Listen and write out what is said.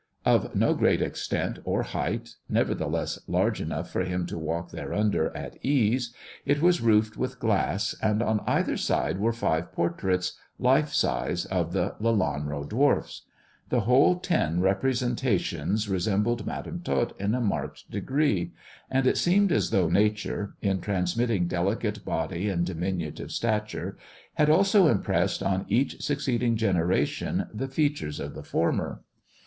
Of no great extent or height, nevertheless large enough for him to walk thereunder at ease, it was roofed with glass, and on either side were five portraits, life size, of the Lelanro dwarfs. The whole ten representa THE dwarf's chamber 47 fcions resembled Madam Tot in a marked degree; and it seemed as though Nature, in transmitting delicate body and diminutive stature, had also impressed on each suc ceeding generation the features of the former.